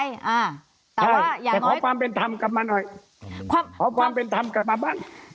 ใช่แต่เพราะความเป็นธรรมกับมันหน่อย